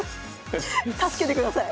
助けてください。